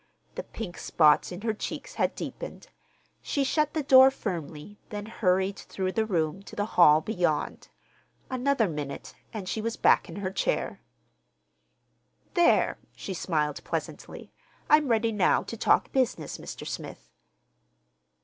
The pink spots in her cheeks had deepened. She shut the door firmly, then hurried through the room to the hall beyond. Another minute and she was back in her chair. "There," she smiled pleasantly. "I'm ready now to talk business, Mr. Smith."